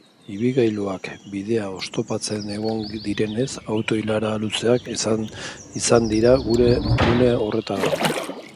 Ibilgailuak bidea oztopatzen egon direnez, auto-ilara luzeak izan dira gune horretan.